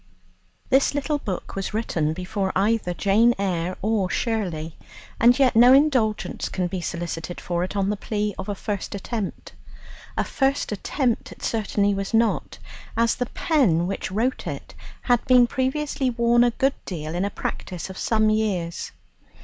This little book was written before either "Jane Eyre" or "Shirley," and yet no indulgence can be solicited for it on the plea of a first attempt. A first attempt it certainly was not, as the pen which wrote it had been previously worn a good deal in a practice of some years.